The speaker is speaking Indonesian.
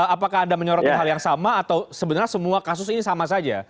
apakah anda menyoroti hal yang sama atau sebenarnya semua kasus ini sama saja